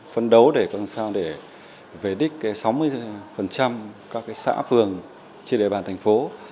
phấn đấu để về đích sáu mươi các xã phường trên đề bàn thành phố